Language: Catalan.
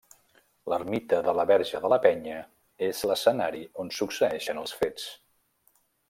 L'ermita de la Verge de la Penya és l'escenari on succeeixen els fets.